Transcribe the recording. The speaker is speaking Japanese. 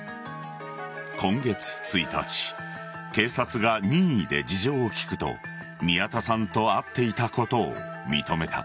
今月１日警察が任意で事情を聴くと宮田さんと会っていたことを認めた。